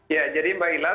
ya jadi mbak hilang